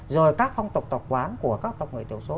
rồi các phong tộc tổng quán của các tộc người tiểu số